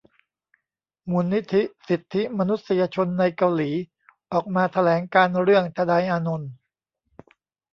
มูลนิธิสิทธิมนุษยชนในเกาหลีออกมาแถลงการณ์เรื่อง ทนายอานนท์